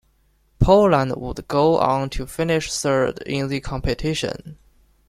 Poland would go on to finish third in the competition.